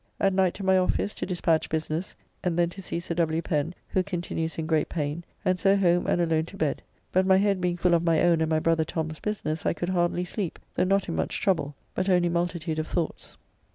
At night to my office to dispatch business, and then to see Sir W. Pen, who continues in great pain, and so home and alone to bed, but my head being full of my own and my brother Tom's business I could hardly sleep, though not in much trouble, but only multitude of thoughts.